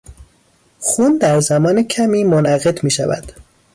خون در زمان کمی منعقد میشود.